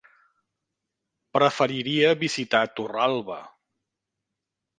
Preferiria visitar Torralba.